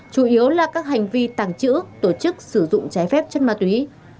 chủ yếu là các hành vi tàng trữ tổ chức sử dụng trái phép chất ma túy